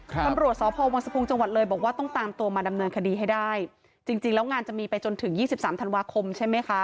ตำรวจสพวังสะพุงจังหวัดเลยบอกว่าต้องตามตัวมาดำเนินคดีให้ได้จริงจริงแล้วงานจะมีไปจนถึงยี่สิบสามธันวาคมใช่ไหมคะ